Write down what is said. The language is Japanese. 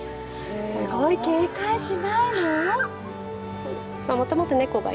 すごい警戒しないの？